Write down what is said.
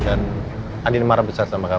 dan andin marah besar sama kamu